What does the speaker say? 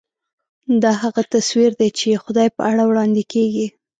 دا هغه تصویر دی چې خدای په اړه وړاندې کېږي.